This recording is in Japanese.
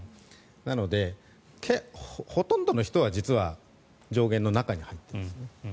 なので、ほとんどの人は実は上限の中に入ってます。